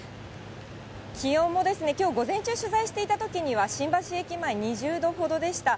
気温もきょう午前中、取材していたときには新橋駅前２０度ほどでした。